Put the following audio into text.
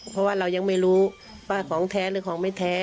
เพราะว่าเรายังไม่รู้ว่าของแท้หรือของไม่แท้